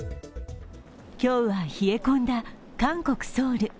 今日は冷え込んだ韓国・ソウル。